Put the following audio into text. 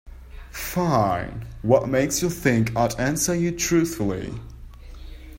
Fine, what makes you think I'd answer you truthfully?